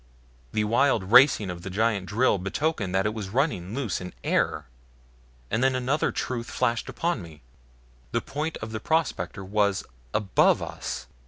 The wild racing of the giant drill betokened that it was running loose in AIR and then another truth flashed upon me. The point of the prospector was ABOVE us.